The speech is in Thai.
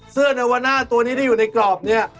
เสื้อเนื้อวนะตัวนี้ที่อยู่ในกรอบเนี่ย